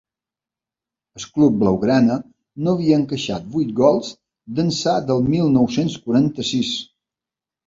El club blau-grana no havia encaixat vuit gols d’ençà del mil nou-cents quaranta-sis.